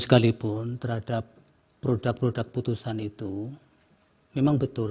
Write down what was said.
sekalipun terhadap produk produk putusan itu memang betul